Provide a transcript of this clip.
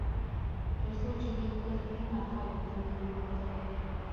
تر څو چې دې خپل هنر خلکو ته نه وي ښوولی.